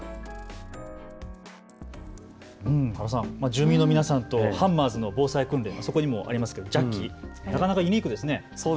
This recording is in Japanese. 住民の皆さんとハンマーズの防災訓練、ジャッキ、そこにもありますけどなかなかユニークですね。